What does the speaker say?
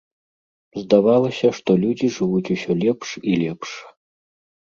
Здавалася, што людзі жывуць усё лепш і лепш.